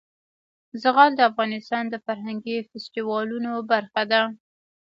زغال د افغانستان د فرهنګي فستیوالونو برخه ده.